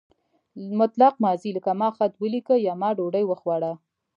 مطلق ماضي لکه ما خط ولیکه یا ما ډوډۍ وخوړه.